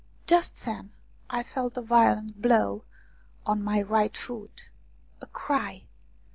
Just then I felt a violent blow on my right foot. A cry